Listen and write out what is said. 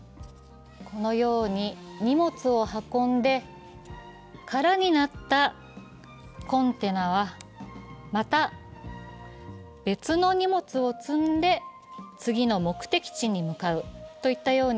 荷物を運んで空になったコンテナはまた別の荷物を積んで、次の目的地に向かうといったように、